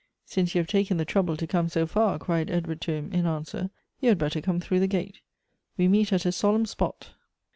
" Since you have taken the trouble to come so far," cried Edward to him, in answer, " you had better come through the gate. We meet at a solemn spot.